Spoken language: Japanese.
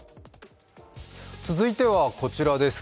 続いてはこちらです。